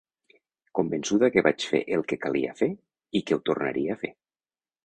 Convençuda que vaig fer el que calia fer i que ho tornaria a fer.